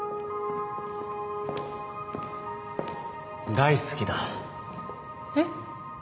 大好きだえっ？